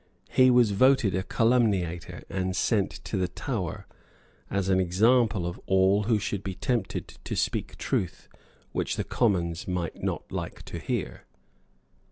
He was voted a calumniator, and sent to the Tower, as an example to all who should be tempted to speak truth which the Commons might not like to hear.